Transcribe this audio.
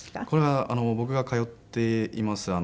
これは僕が通っています